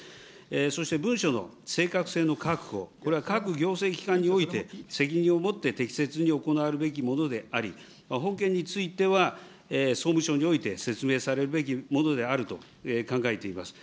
そして文書の正確性の確保、各行政機関において責任を持って適切に行われるべきものであり、本件については総務省において説明されるべきものであると考えています。